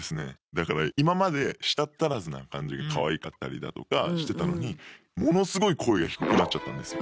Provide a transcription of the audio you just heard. だから今まで舌っ足らずな感じがかわいかったりだとかしてたのにものすごい声が低くなっちゃったんですよ。